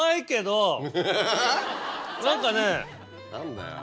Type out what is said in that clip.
何だよ。